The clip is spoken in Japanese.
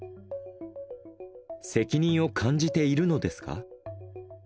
責任を感じているのですか？